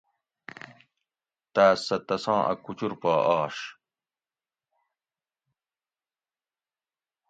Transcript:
تاۤس سہۤ تساں اۤ کوچور پا آش